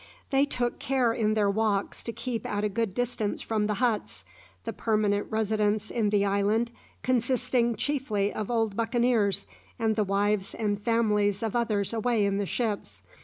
They took care in their walks to keep at a good distance from the huts; the permanent residents in the island consisting chiefly of old buccaneers and the wives and families of others away in the ships.